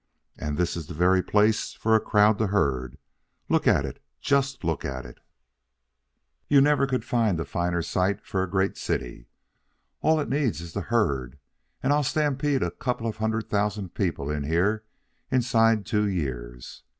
And this is the very place for a crowd to herd. Look at it. Just look at it! You could never find a finer site for a great city. All it needs is the herd, and I'll stampede a couple of hundred thousand people in here inside two years.